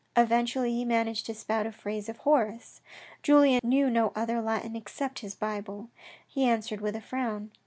Eventully he managed to spout a phrase of Horace. Julien knew no other Latin except his Bible. He answered with a frown.